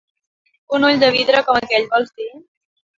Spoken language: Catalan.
Un ull de vidre com aquell, vols dir?